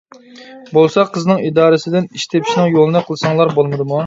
بولسا قىزنىڭ ئىدارىسىدىن ئىش تېپىشنىڭ يولىنى قىلساڭلار بولمىدىمۇ!